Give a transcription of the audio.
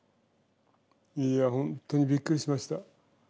いや本当にびっくりしました。